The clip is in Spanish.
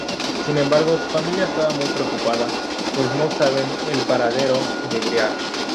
Sin embargo, su familia está muy preocupada, pues no saben el paradero de Briar.